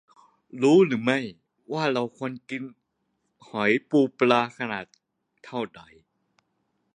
รู้ไหมว่าเราควรเลือกกินกุ้ง หอย ปู ปลา ขนาดเท่าใด